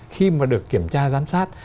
khi mà được kiểm tra giám sát